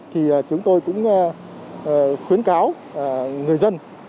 thì chúng tôi cũng khuyến cáo người dân